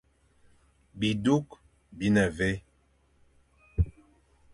Bi duk bi ne vé ?